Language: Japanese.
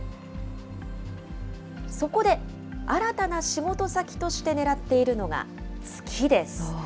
そこで、新たな仕事先として狙っているのが月です。